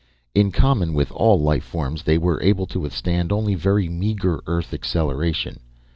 In common with all life forms, they were able to withstand only very meager earth acceleration.